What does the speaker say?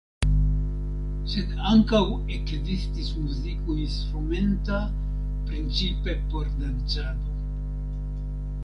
Sed ankaŭ ekzistis muziko instrumenta, principe por dancado.